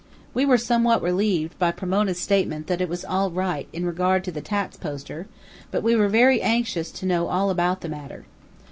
We were somewhat relieved by Pomona's statement that it was "all right" in regard to the tax poster, but we were very anxious to know all about the matter.